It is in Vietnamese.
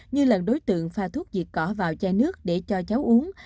như lần đối tượng pha thuốc diệt cỏ vào chai nước để cho cháu uống